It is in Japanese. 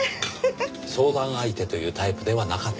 相談相手というタイプではなかった？